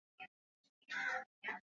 Matarajio na Njia ya Kusonga mbele